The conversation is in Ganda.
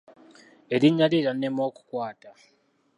Erinnya lye lyannema okukwata.